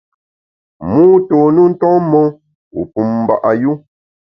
Mû tôn u nton mon, wu pum mba’ yu.